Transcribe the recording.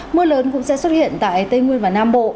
mưa lớn cũng sẽ xuất hiện tại tây nguyên và nam bộ